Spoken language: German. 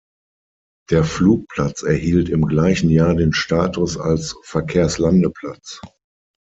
Der Flugplatz erhielt im gleichen Jahr den Status als Verkehrslandeplatz.